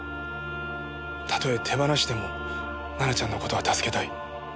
たとえ手放しても奈々ちゃんの事は助けたい。